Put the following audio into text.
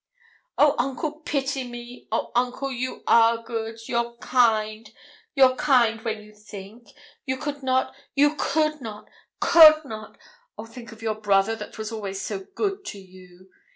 'Oh, uncle, pity me! Oh, uncle, you are good! you're kind; you're kind when you think. You could not you could not could not! Oh, think of your brother that was always so good to you!